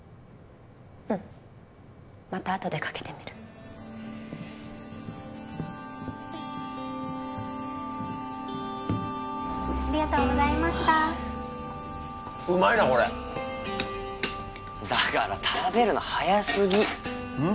ううんまたあとでかけてみるありがとうございましたうまいなこれだから食べるの早すぎうん？